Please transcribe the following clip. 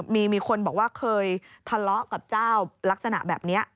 มีคนบอกว่าเคยทะเลาะกับเจ้าลักษณะแบบนี้